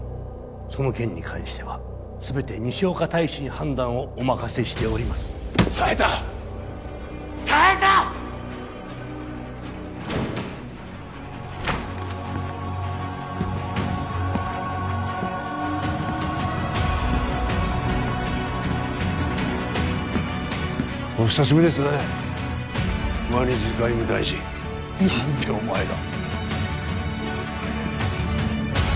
その件に関しては全て西岡大使に判断をお任せしておりますお久しぶりですねワニズ外務大臣何でお前が？